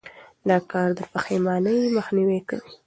دا کار د پښېمانۍ مخنیوی کوي.